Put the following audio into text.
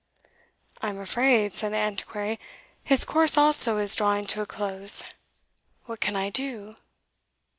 "I am afraid," said the Antiquary, "his course also is drawing to a close. What can I do?"